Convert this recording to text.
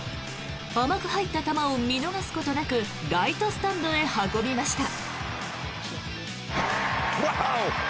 甘く入った球を見逃すことなくライトスタンドへ運びました。